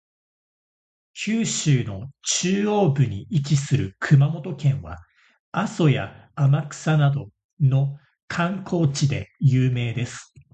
九州の中央部に位置する熊本県は、阿蘇や天草などの観光地で有名です。